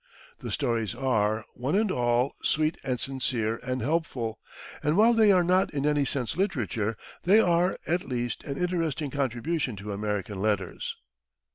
The stories are, one and all, sweet and sincere and helpful, and while they are not in any sense literature, they are, at least, an interesting contribution to American letters.